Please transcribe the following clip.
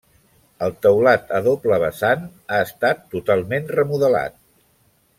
El teulat a doble vessant ha estat totalment remodelat.